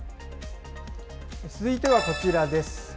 続いてはこちらです。